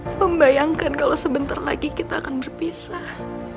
saya membayangkan kalau sebentar lagi kita akan berpisah